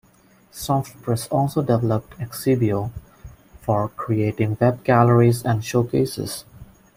Softpress also developed Exhibeo, for creating web galleries and showcases.